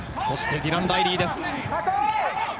そしてディラン・ライリーです。